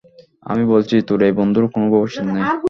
আমি বলছি, তোর এই বন্ধুর কোনো ভবিষ্যৎ নেই।